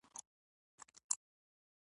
د ځمکې په نورو موجوداتو ترحم نه کوئ.